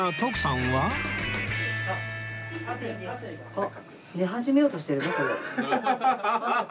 あっ！